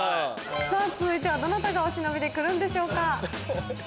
さぁ続いてはどなたがお忍びで来るんでしょうか。